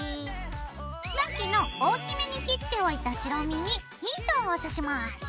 さっきの大きめに切っておいた白身にヒートンを刺します。